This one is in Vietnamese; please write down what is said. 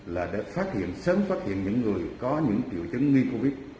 là để phát hiện sớm phát hiện những người có những triệu chứng nghi covid